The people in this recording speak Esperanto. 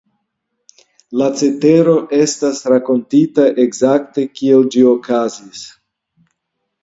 La cetero estas rakontita ekzakte kiel ĝi okazis.